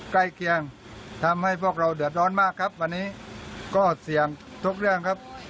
ใกล้เคียงทำให้พวกเราเดือดร้อนมากครับวันนี้ก็เสี่ยงทุกเรื่องครับ